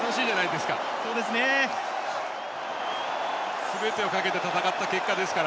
すべてをかけて戦った結果ですから。